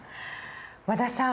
和田さん